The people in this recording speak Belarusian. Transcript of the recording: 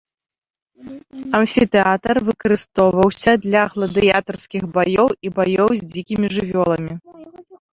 Амфітэатр выкарыстоўваўся для гладыятарскіх баёў і баёў з дзікімі жывёламі.